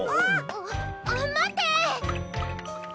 あっまって！